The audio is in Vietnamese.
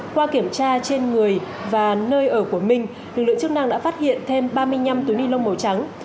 qua kiểm tra trên người và nơi ở của minh lực lượng chức năng đã phát hiện thêm ba mươi năm túi ni lông màu trắng